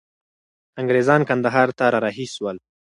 انګریزان کندهار ته را رهي سول.